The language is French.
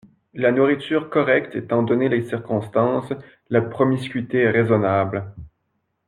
La nourriture correcte étant donné les circonstances, la promiscuité raisonnable.